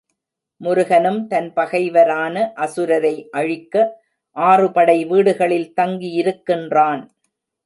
முருகனும் தன் பகைவரான அசுரரை அழிக்க ஆறு படைவீடுகளில் தங்கியிருக்கின்றான்.